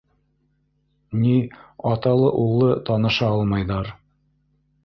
Ни аталы-уллы тыныша алмайҙар.